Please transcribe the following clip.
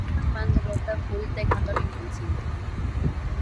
Iron Man derrota a Hulk, dejándolo inconsciente.